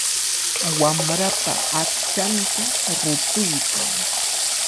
Wamrapa aqchanta rutuykan.